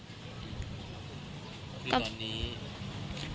คือตอนนี้